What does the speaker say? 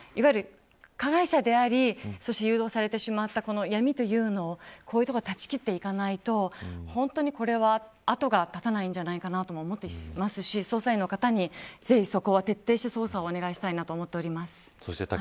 加害者であり誘導されてしまった闇というのを断ち切っていかないと本当にこれは、後が断てないんじゃないかなと思ってしまいますし捜査員の方に、ぜひそこは徹底して捜査をお願いしたいと思っております。